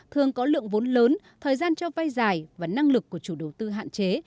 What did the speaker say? thường có lượng vốn lớn thời gian cho vay dài và năng lực của chủ đầu tư hạn chế